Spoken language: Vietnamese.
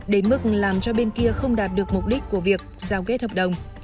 đến mức làm cho bên kia không đạt được mục đích của việc giao kết hợp đồng